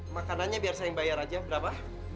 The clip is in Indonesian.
makanannya biar saya yang bayar aja berapa